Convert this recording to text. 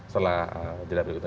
setelah jadwal berikutnya